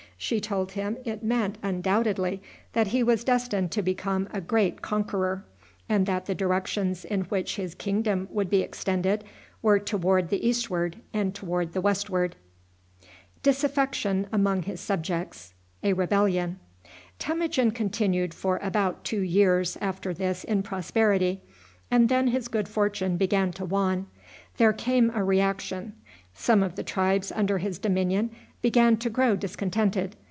She told him it meant undoubtedly that he was destined to become a great conqueror, and that the directions in which his kingdom would be extended were toward the eastward and toward the westward. Temujin continued for about two years after this in prosperity, and then his good fortune began to wane. There came a reaction. Some of the tribes under his dominion began to grow discontented.